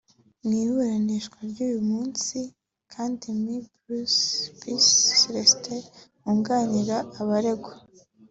Mu iburanisha ryo kuri uyu munsi kandi Me Buhuru Pierre Celestin wunganira abaregwa